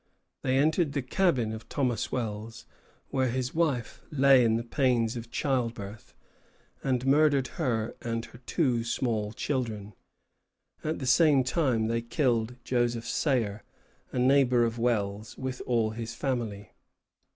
They entered the cabin of Thomas Wells, where his wife lay in the pains of childbirth, and murdered her and her two small children. At the same time they killed Joseph Sayer, a neighbor of Wells, with all his family.